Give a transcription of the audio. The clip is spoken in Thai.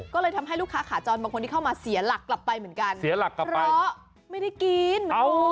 ก็เลยทำให้ลูกค้าขาจรบางคนที่เข้ามาเสียหลักกลับไปเหมือนกันเสียหลักเพราะไม่ได้กิน